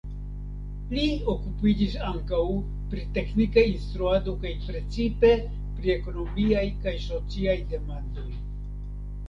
Li okupiĝis ankaŭ pri teknika instruado kaj precipe pri ekonomiaj kaj sociaj demandoj.